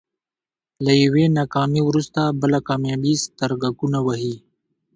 له يوې ناکامي وروسته بله کاميابي سترګکونه وهي.